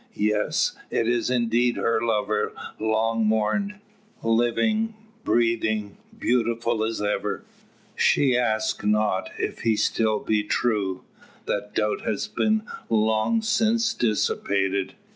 Yes: it is indeed her lover long mourned, living, breathing, beautiful as ever! She asks not if he be still true, that doubt has been long since dissipated.